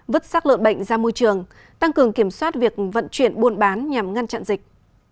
vứt sát lợn bệnh ra môi trường tăng cường kiểm soát việc vận chuyển buôn bán nhằm ngăn chặn dịch